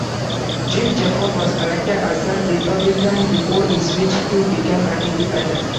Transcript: Jim Jeffords was elected as a Republican before he switched to become an Independent.